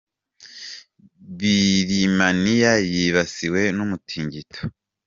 Birimaniya yibasiwe n’umutingito